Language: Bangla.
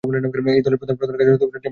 এই দলের প্রধান কার্যালয় টেমপ্লেটঅনুলিপি।